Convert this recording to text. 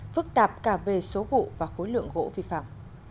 phức tạp cả về số vụ và khối lượng gỗ vi phạm